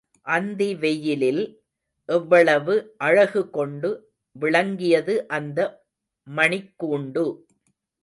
அந்தி வெயிலில் எவ்வளவு அழகுகொண்டு விளங்கியது அந்த மணிக் கூண்டு!